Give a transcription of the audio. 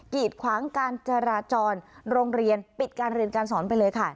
ีดขวางการจราจรโรงเรียนปิดการเรียนการสอนไปเลยค่ะ